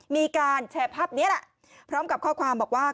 มีการแชร์ภาพนี้แหละพร้อมกับข้อความบอกว่า